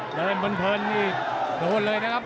หล่นบนโดนเลยนะครับ